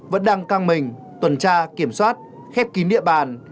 vẫn đang căng mình tuần tra kiểm soát khép kín địa bàn